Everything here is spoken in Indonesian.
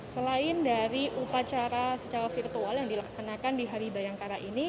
selain dari upacara secara virtual yang dilaksanakan di hari bayangkara ini